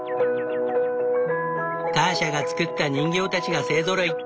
ターシャが作った人形たちが勢ぞろい。